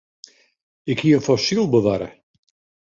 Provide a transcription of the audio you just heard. Ik hie in fossyl bewarre.